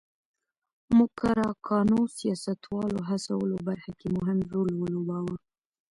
موکراکانو سیاستوالو هڅولو برخه کې مهم رول ولوباوه.